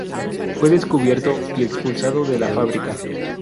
Fue descubierto y expulsado de la fábrica.